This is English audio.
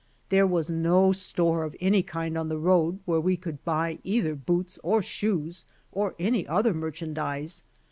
There was no store of any kind on the road where we could buy either boots or shoes or any other merchandise.